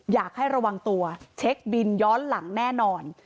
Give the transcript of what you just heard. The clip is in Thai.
อยากให้ระวังตัวเช็คบินย้อนหลังแน่นอน